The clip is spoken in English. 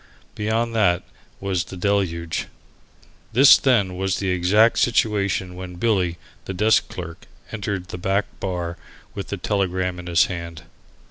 Beyond that was the deluge. This then was the exact situation when Billy, the desk clerk, entered the back bar with the telegram in his hand.